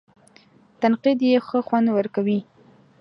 تنقید یې ښه خوند ورکوي.